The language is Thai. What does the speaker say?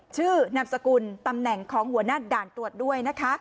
นามสกุลตำแหน่งของหัวหน้าด่านตรวจด้วยนะคะ